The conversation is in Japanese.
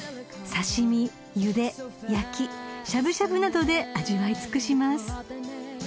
［刺し身ゆで焼きしゃぶしゃぶなどで味わい尽くします］